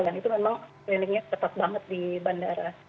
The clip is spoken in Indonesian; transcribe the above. dan itu memang screening nya tepat banget di bandara